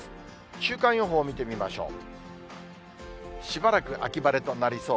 週間予報を見てみましょう。